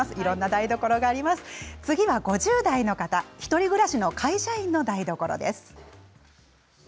次は５０代の方、１人暮らしの会社員の台所です。